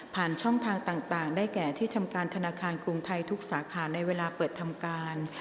ช่องทางต่างได้แก่ที่ทำการธนาคารกรุงไทยทุกสาขาในเวลาเปิดทำการ